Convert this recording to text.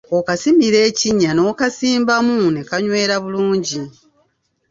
Okasimira ekinnya n’okasimbamu ne kanywera bulungi.